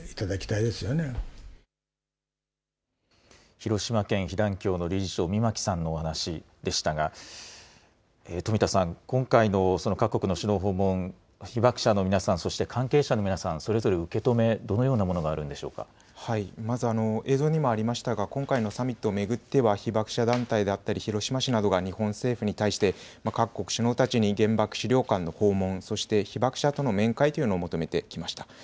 広島県被団協の理事長、箕牧さんのお話でしたが、富田さん、今回の各国の首脳訪問、被爆者の皆さん、そして関係者の皆さん、それぞれ受け止め、どのようまず、映像にもありましたが、今回のサミットを巡っては被爆者団体であったり、広島市などが日本政府に対して各国首脳たちに原爆資料館の訪問、そして被爆者との面会というのを求めてきました。